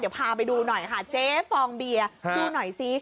เดี๋ยวพาไปดูหน่อยค่ะเจ๊ฟองเบียร์ดูหน่อยซิ